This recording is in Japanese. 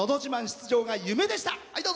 出場が夢でした。